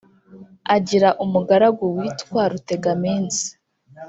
agira umugaragu witwa rutegaminsi